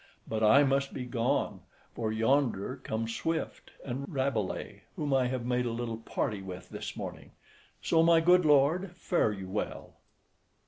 But I must be gone, for yonder come Swift and Rabelais, whom I have made a little party with this morning: so, my good lord, fare you well."